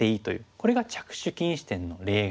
これが着手禁止点の例外。